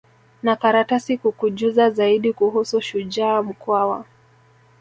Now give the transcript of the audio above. na karatasi kukujuza zaidi kuhusu shujaa mkwawa